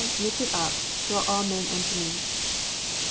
Mfted up.. .draw all men unto me.'